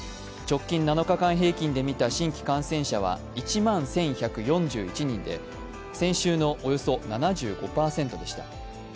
直近７日間平均で見た新規感染者は１万１１４１人で先週のおよそ７５％でした。